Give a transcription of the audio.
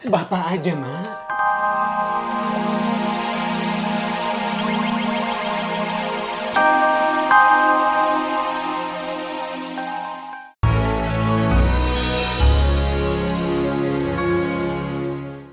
bapak aja mak